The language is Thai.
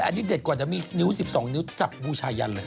อันนี้เด็ดกว่าจะมีนิ้ว๑๒นิ้วจับบูชายันเลย